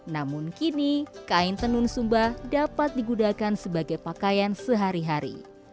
namun kini kain tenun sumba dapat digunakan sebagai pakaian sehari hari